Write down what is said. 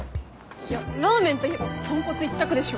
いやラーメンといえばとんこつ一択でしょ。